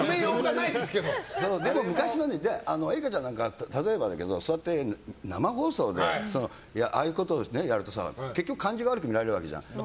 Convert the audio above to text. エリカちゃんなんか例えばだけど、座って生放送でああいうことをやると結局、感じが悪く見られるわけじゃん。